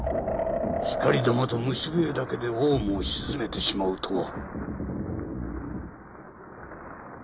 光弾と蟲笛だけで王蟲を静めてしまうとは。